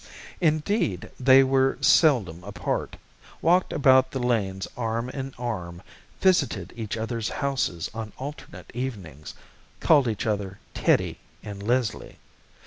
Indeed, they were seldom apart, walked about the lanes arm in arm, visited each other's houses on alternate evenings, called each other "Teddy" and "Leslie."